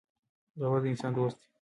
باور د انسان دوست دی.